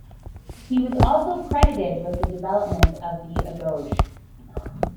He was also credited with the development of the "agoge".